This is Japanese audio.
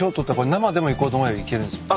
生でもいこうと思えばいけるんですよね？